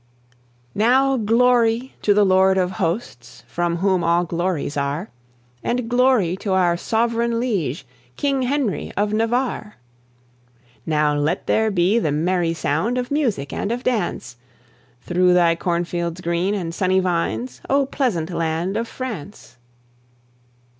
(1800 59.) Now glory to the Lord of Hosts, from whom all glories are! And glory to our Sovereign Liege, King Henry of Navarre! Now let there be the merry sound of music and of dance, Through thy corn fields green, and sunny vines, O pleasant land of France!